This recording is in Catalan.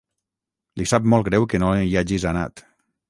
Li sap molt greu que no hi hagis anat.